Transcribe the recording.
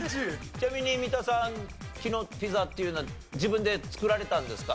ちなみに三田さん昨日ピザっていうのは自分で作られたんですか？